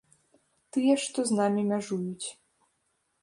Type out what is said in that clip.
Тыя, што з намі мяжуюць.